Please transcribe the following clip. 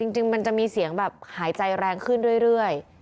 จริงมันจะมีเสียงแบบหายใจแรงขึ้นเรื่อย